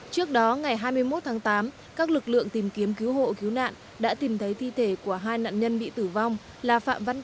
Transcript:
trước đó ngày hai mươi một tháng tám các lực lượng tìm kiếm cứu hộ cứu nạn đã tìm thấy thi thể của hai nạn nhân bị tử vong là phạm văn đồng